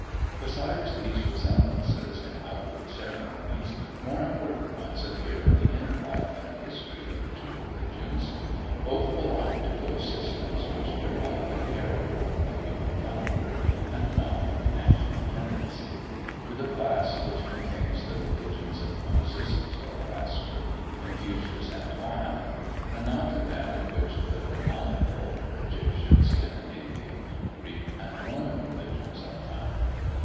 Besides these resemblances in outward ceremonies, more important ones appear in the inner life and history of the two religions. Both belong to those systems which derive their character from a human founder, and not from a national tendency; to the class which contains the religions of Moses, Zoroaster, Confucius, and Mohammed, and not to that in which the Brahmanical, Egyptian, Scandinavian, Greek, and Roman religions are found.